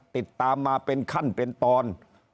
ติดตามมาเป็นขั้นเป็นตอน